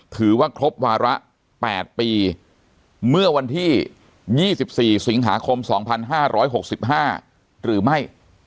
ถือว่าครบวาระ๘ปีเมื่อวันที่๒๔สิงหาคม๒๕๖๕หรือไม่